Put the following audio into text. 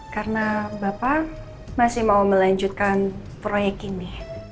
karena bapak masih mau melanjutkan proyek ini